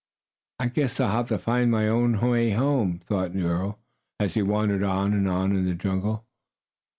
"I guess I'll have to find my own way home," thought poor Nero, as he wandered on and on in the jungle.